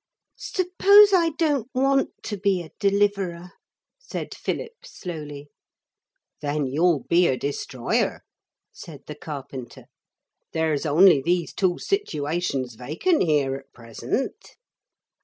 'Suppose I don't want to be a Deliverer,' said Philip slowly. 'Then you'll be a Destroyer,' said the carpenter; 'there's only these two situations vacant here at present.